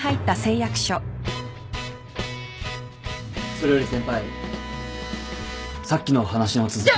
それより先輩さっきの話の続き。